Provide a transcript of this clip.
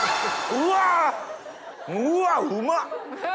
うわうまっ！